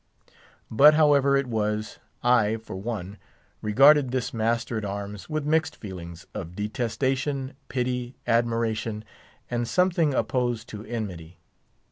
But, however it was, I, for one, regarded this master at arms with mixed feelings of detestation, pity, admiration, and something opposed to enmity.